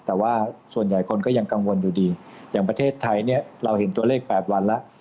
แต่ว่าส่วนใหญ่คนก็ยังกังวลอยู่ดีอย่างประเทศไทยเนี่ยเราเห็นตัวเลข๘วันแล้ว